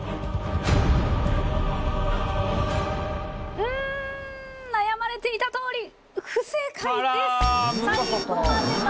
うん悩まれていたとおり不正解です。